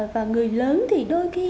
và người lớn thì đôi khi